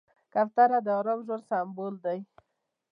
کوتره د ارام ژوند سمبول دی.